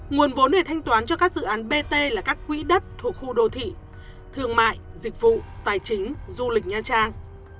nguồn vốn để thanh toán cho các dự án bt là các quỹ đất thuộc khu đô thị thương mại dịch vụ tài chính du lịch nha trang